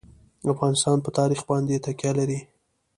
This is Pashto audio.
افغانستان په تاریخ باندې تکیه لري.